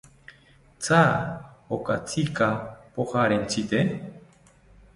¿Tya okatsika pojarentsite?